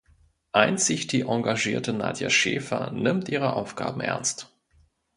Einzig die engagierte Nadia Schäfer nimmt ihre Aufgaben ernst.